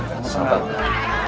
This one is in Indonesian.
enggak enggak enggak